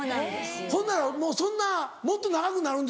ほんならそんなもっと長くなるんですって。